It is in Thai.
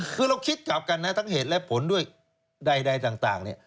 คือเราคิดกลับกันนะทั้งเหตุและผลด้วยใดต่างเนี่ย